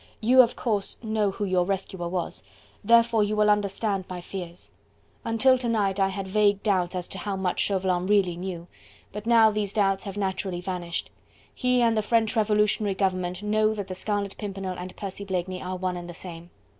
"You of course know who your rescuer was, therefore you will understand my fears. Until to night, I had vague doubts as to how much Chauvelin really knew, but now these doubts have naturally vanished. He and the French Revolutionary Government know that the Scarlet Pimpernel and Percy Blakeney are one and the same.